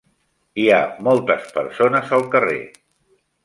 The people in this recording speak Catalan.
Hi ha moltes persones al carrer